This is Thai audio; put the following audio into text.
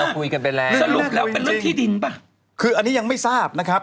คุยกันไปแล้วสรุปแล้วเป็นเรื่องที่ดินป่ะคืออันนี้ยังไม่ทราบนะครับ